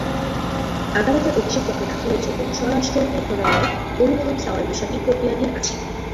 আদালতে অভিযোগপত্র দাখিলের জন্য স্বরাষ্ট্র মন্ত্রণালয়ে অনুমোদন চাওয়ার বিষয়টি প্রক্রিয়াধীন আছে।